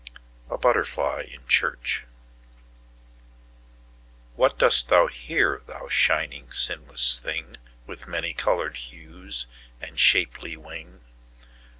A Butterfly in Church WHAT dost thou here, thou shining, sinless thing, With many colored hues and shapely wing?